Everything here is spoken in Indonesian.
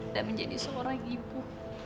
dan menjadi seorang ibu